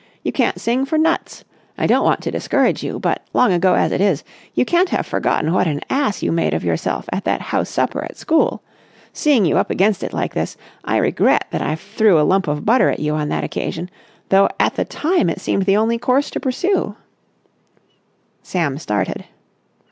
You can't sing for nuts! I don't want to discourage you, but, long ago as it is, you can't have forgotten what an ass you made of yourself at that house supper at school. Seeing you up against it like this, I regret that I threw a lump of butter at you on that occasion, though at the time it seemed the only course to pursue." Sam started.